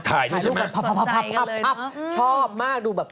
ถ่ายดูใช่ไหมสนใจกันเลยเนอะชอบมากดูแบบ